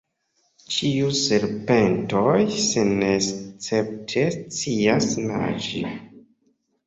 Ĉiuj serpentoj senescepte scias naĝi.